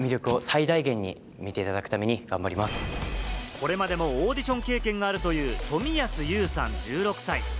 これまでもオーディション経験があるという富安悠さん、１６歳。